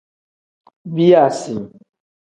Biyaasi.